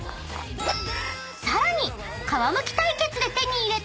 ［さらに］